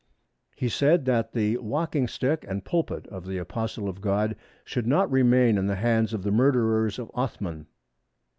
"He said that the walking stick and pulpit of the Apostle of God should not remain in the hands of the murderers of Othman.